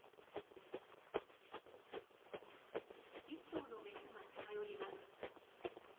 １頭のメスが近寄ります。